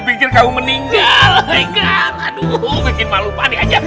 bikin orang sedih aja